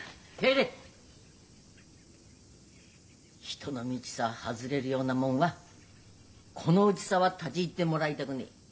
人の道さ外れるようなもんはこのうちさは立ち入ってもらいたくねえ。